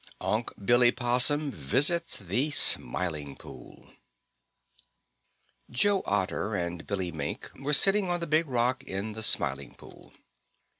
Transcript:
Unc' Billy Possum Visits the Smiling Pool Joe Otter and Billy Mink were sitting on the Big Rock in the Smiling Pool.